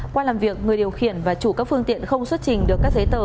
qua làm việc người điều khiển và chủ các phương tiện không xuất trình được các giấy tờ